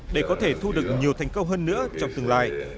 để có thể thu được nhiều thành công hơn nữa trong tương lai